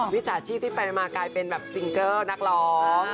วิชาชีพที่ไปมากลายเป็นแบบซิงเกิลนักร้อง